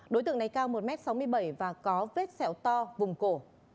đối tượng này cao một m sáu mươi bảy và có vết sẹo to vùng cổ